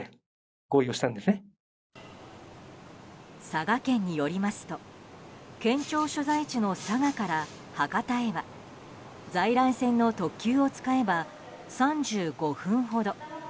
佐賀県によりますと県庁所在地の佐賀から博多へは在来線の特急を使えば３５分ほど。